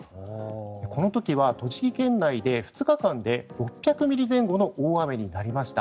この時は栃木県内で２日間で６００ミリ前後の大雨になりました。